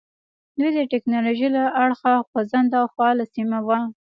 دوی د ټکنالوژۍ له اړخه خوځنده او فعاله سیمه وه.